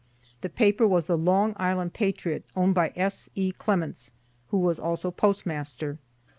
The paper was the "Long Island Patriot," owned by S. E. Clements, who was also postmaster.